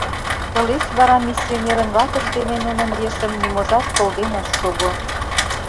Тылеч вара миссионерын ватыж дене нунын ешым ниможат кылден ыш шого.